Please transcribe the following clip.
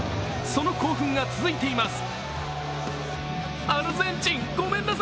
その興奮が続いています。